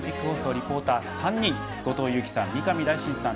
リポーター３人後藤佑季さん、三上大進さん